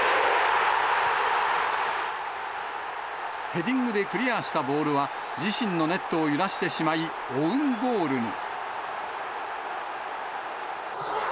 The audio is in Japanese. ヘディングでクリアしたボールは、自身のネットを揺らしてしまいオウンゴールに。